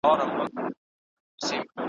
تر څو پوري چي د منظور پښتین `